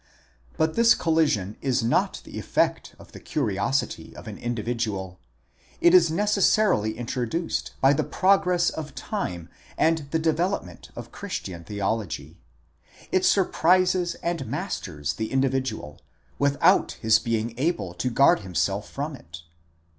But this collision is not the effect of the curiosity of an in dividual ; it is necessarily introduced by the progress of time and the develop ment of Christian theology ; it surprises and masters the individual, without his being able to guard himself from it.